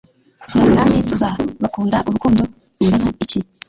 mu mwami tuzabakunda urukundo rungana iki?